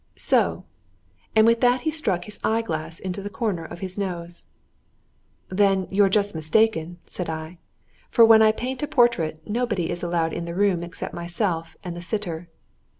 "So!" and with that he stuck his eye glass into the corner of his nose. "Then you're just mistaken!" said I, "for when I paint a portrait nobody is allowed in the room except myself and the sitter."